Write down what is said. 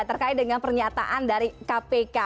terkait dengan pernyataan dari kpk